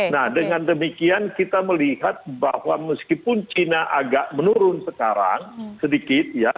nah dengan demikian kita melihat bahwa meskipun china agak menurun sekarang sedikit ya